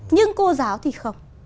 nhưng cô giáo thì không